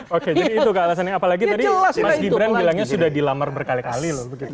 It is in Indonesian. oke jadi itu alasannya apalagi tadi mas gibran bilangnya sudah dilamar berkali kali loh